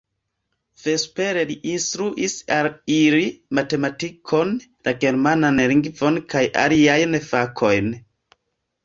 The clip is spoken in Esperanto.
Vespere li instruis al ili matematikon, la germanan lingvon kaj aliajn fakojn.